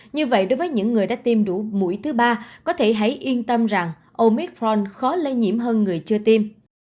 như vậy đối với những người đã tiêm đủ mũi thứ ba có thể hãy yên tâm rằng omicron khó lây nhiễm hơn người chưa tiêm